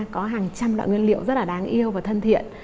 có hàng trăm loại nguyên liệu rất là đáng yêu và thân thiện